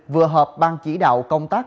vừa họp bằng chỉ đạo công tác